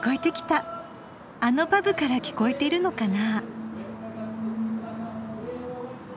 ・あのパブから聞こえているのかな？